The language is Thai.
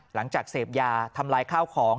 หลังจากเสพยาทำลายข้าวของ